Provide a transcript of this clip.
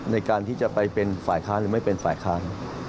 ในการที่จะไปเป็นฝ่ายค้านหรือไม่เป็นฝ่ายค้าน